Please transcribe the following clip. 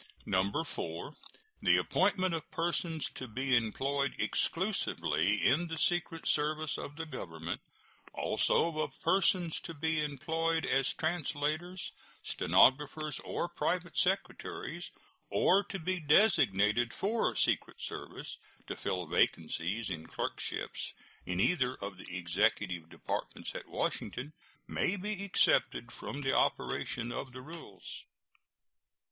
4. The appointment of persons to be employed exclusively in the secret service of the Government, also of persons to be employed as translators, stenographers, or private secretaries, or to be designated for secret service, to fill vacancies in clerkships in either of the Executive Departments at Washington, may be excepted from the operation of the rules.